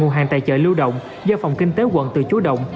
nguồn hàng tại chợ lưu động do phòng kinh tế quận tự chú động